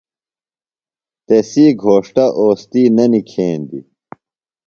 تسی گھوݜٹہ اوستی نہ نِکھیندیۡ۔